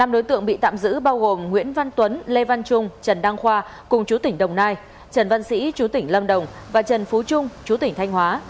năm đối tượng bị tạm giữ bao gồm nguyễn văn tuấn lê văn trung trần đăng khoa cùng chú tỉnh đồng nai trần văn sĩ chú tỉnh lâm đồng và trần phú trung chú tỉnh thanh hóa